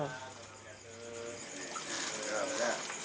oh ini ternyata anders shit